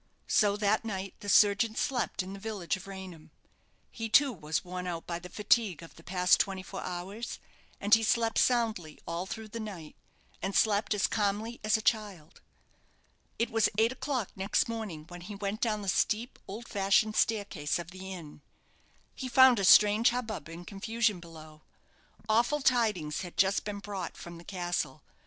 So that night the surgeon slept in the village of Raynham. He, too, was worn out by the fatigue of the past twenty four hours, and he slept soundly all through the night, and slept as calmly as a child. It was eight o'clock next morning when he went down the steep, old fashioned staircase of the inn. He found a strange hubbub and confusion below. Awful tidings had just been brought from the castle.